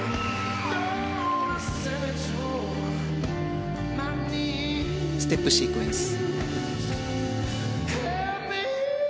ステップシークエンス。